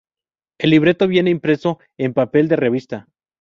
El libreto viene impreso en papel de revista.